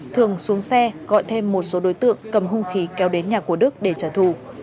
thường xuống xe gọi thêm một số đối tượng cầm hung khí kéo đến nhà của đức để trả thù